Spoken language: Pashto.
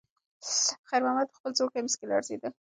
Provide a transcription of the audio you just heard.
خیر محمد په خپل زوړ کمیس کې لړزېده.